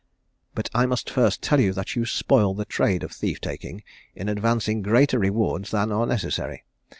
"But I must first tell you that you spoil the trade of thief taking, in advancing greater rewards than are necessary.